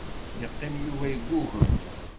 Yeqqim Yuba yeggugem.